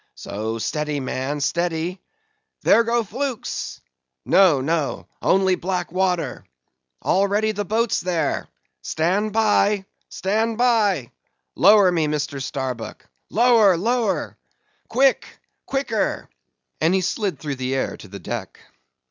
So; steady, man, steady! There go flukes! No, no; only black water! All ready the boats there? Stand by, stand by! Lower me, Mr. Starbuck; lower, lower,—quick, quicker!" and he slid through the air to the deck.